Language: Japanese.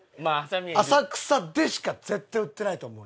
浅草でしか絶対売ってないと思うねん。